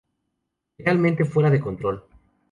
Realmente fuera de control.